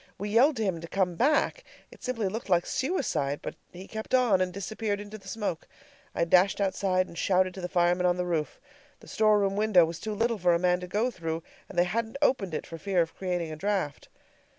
We yelled to him to come back. It simply looked like suicide; but he kept on, and disappeared into the smoke. I dashed outside and shouted to the firemen on the roof. The store room window was too little for a man to go through, and they hadn't opened it for fear of creating a draft.